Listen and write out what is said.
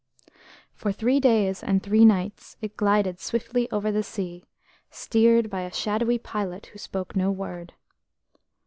For three days and three nights it glided swiftly over the sea, steered by a shadowy pilot who spoke no word.